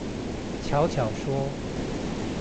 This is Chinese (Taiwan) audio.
悄悄說